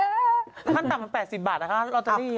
ขั้นต่ำมัน๘๐บาทนะคะลอตเตอรี่